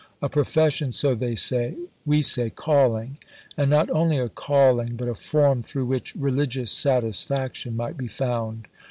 "A profession, so they say; we say, calling." And not only a calling, but a form through which religious satisfaction might be found.